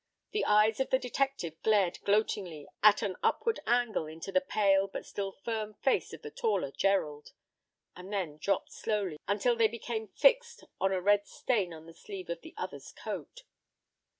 The eyes of the detective glared gloatingly at an upward angle into the pale but still firm face of the taller Gerald, and then dropped slowly, until they became fixed on a red stain on the sleeve of the other's coat.